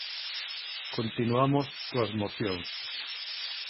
Continuamos coas mocións.